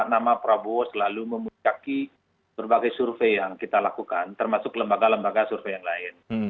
nama prabowo selalu memuncaki berbagai survei yang kita lakukan termasuk lembaga lembaga survei yang lain